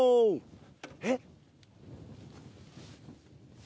えっ？